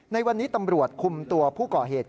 ในวันนี้ตำรวจคุมตัวผู้ก่อเหตุ